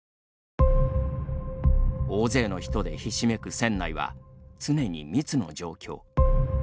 大勢の人でひしめく船内は常に密の状況。